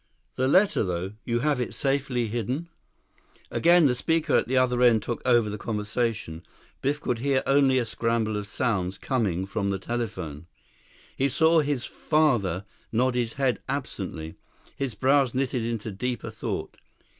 The letter, though, you have that safely hidden?" 7 Again the speaker at the other end took over the conversation. Biff could hear only a scramble of sounds coming from the telephone. He saw his father nod his head absently. His brows knitted into deeper thought.